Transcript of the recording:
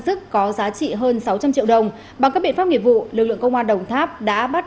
thức có giá trị hơn sáu trăm linh triệu đồng bằng các biện pháp nghiệp vụ lực lượng công an đồng tháp đã bắt